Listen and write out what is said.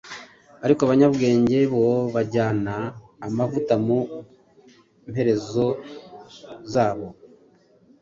ariko abanyabwenge bo bajyana amavuta mu mperezozabo.